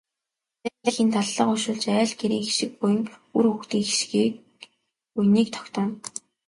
Дарь эхийн даллага уншуулж айл гэрийн хишиг буян, үр хүүхдийн хишиг буяныг тогтооно.